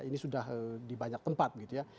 ini sudah di banyak tempat gitu ya